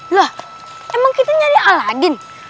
lah emang kita nyari aladin